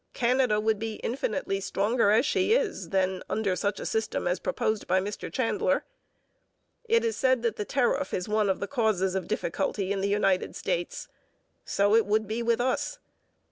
Canada would be infinitely stronger as she is than under such a system as proposed by Mr Chandler. It is said that the tariff is one of the causes of difficulty in the United States. So it would be with us.